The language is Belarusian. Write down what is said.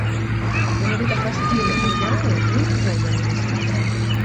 Менавіта праз тыя матэрыялы мы і пазнаёміліся.